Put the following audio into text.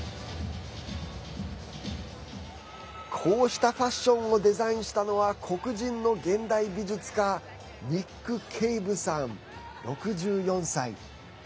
こうしたファッションをデザインしたのは黒人の現代美術家ニック・ケイブさん、６４歳。